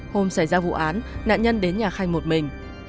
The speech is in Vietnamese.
hôm xảy ra vụ án nạn nhân đến nhà khay một mình